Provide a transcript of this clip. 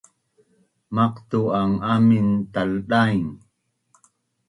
Maqtu’an amu taldaing